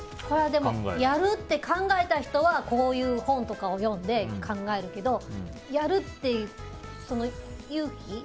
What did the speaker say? これは、やるって考えた人はこういう本とかを読んで考えるけどやるっていう勇気？